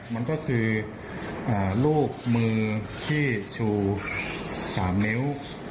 มันก็คือรูปมือที่ชู๓นิ้ว